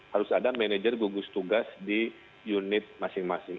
harus ada manajer gugus tugas di unit masing masing